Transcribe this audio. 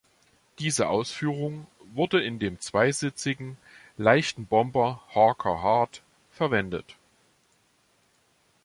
Diese Ausführung wurde in dem zweisitzigen leichten Bomber Hawker Hart verwendet.